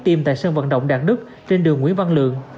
tiêm tại sân vận động đạt đức trên đường nguyễn văn lượng